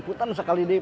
punten sekali deh